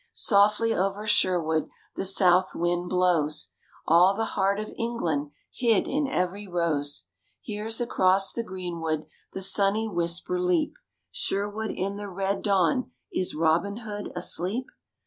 Softly over Sherwood the south wind blows; All the heart of England hid in every rose Hears across the greenwood the sunny whisper leap, Sherwood in the red dawn, is Robin Hood asleep?